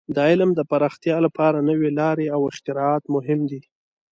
د علم د پراختیا لپاره نوې لارې او اختراعات مهم دي.